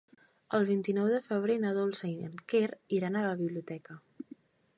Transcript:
El vint-i-nou de febrer na Dolça i en Quer iran a la biblioteca.